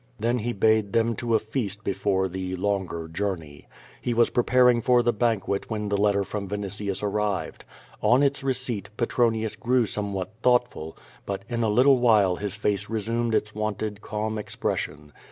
Then he bade them to a feast before "the longer journey." He was preparing f >f the banquet when the letter from Vinitius arrived. On its receipt Petronius grew somewhat thoughtful, but in a little while his face resumed its wonted calm expression.